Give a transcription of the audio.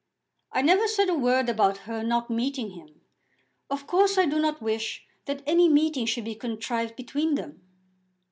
"I never said a word about her not meeting him. Of course I do not wish that any meeting should be contrived between them."